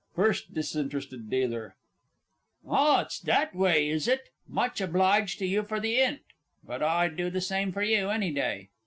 _ FIRST D. D. Ah, it's that way, is it? Much obliged to you for the 'int. But I'd do the same for you any day.